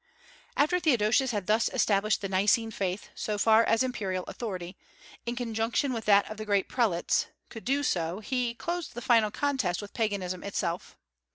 After Theodosius had thus established the Nicene faith, so far as imperial authority, in conjunction with that of the great prelates, could do so, he closed the final contest with Paganism itself.